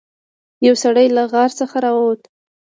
یو سړی له غار څخه راووت.